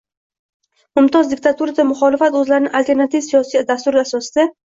“Mumtoz” diktaturada muxolifat o‘zlarini alternativ siyosiy dasturi asosida